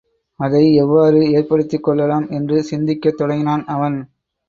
அதை எவ்வாறு ஏற்படுத்திக்கொள்ளலாம்? என்று சிந்திக்கத் தொடங்கினான் அவன்.